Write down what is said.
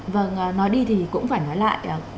vâng nói đi thì cũng phải nói lại